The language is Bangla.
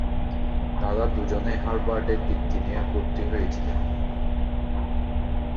তারা দুজনেই হার্ভার্ডের বৃত্তি নিয়ে ভর্তি হয়েছিলেন।